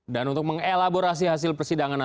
dan untuk mengelaborasi hasil persidangan